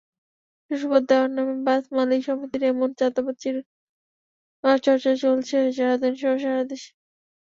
সদস্যপদ দেওয়ার নামে বাস মালিক সমিতির এমন চাঁদাবাজির চর্চা চলছে রাজধানীসহ সারা দেশে।